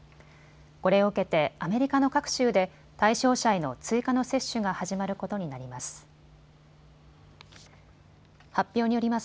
これを受けてアメリカの各州で対象者への追加の接種が始まることになります。